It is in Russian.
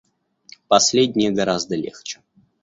Последнее гораздо легче.